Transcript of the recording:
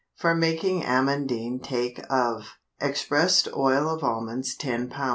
For making Amandine take of— Expressed oil of almonds 10 lb.